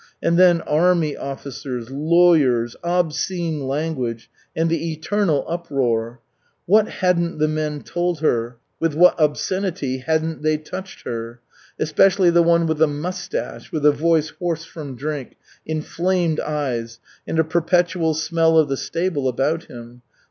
And then, army officers, lawyers, obscene language, and the eternal uproar! What hadn't the men told her! With what obscenity hadn't they touched her! Especially the one with the mustache, with a voice hoarse from drink, inflamed eyes, and a perpetual smell of the stable about him.